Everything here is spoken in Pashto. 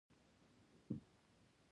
فېسبوک د معلوماتو د خپرولو لپاره ښه لار ده